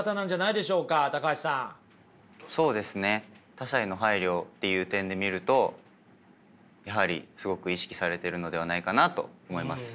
他者への配慮っていう点で見るとやはりすごく意識されてるのではないかなと思います。